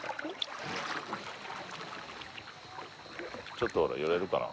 ちょっと寄れるかな？